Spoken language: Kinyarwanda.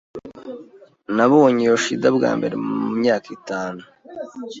Nabonye Yoshida bwa mbere mu myaka itanu.